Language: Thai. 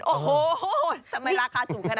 โอ้โหทำไมราคาสูงขนาดนี้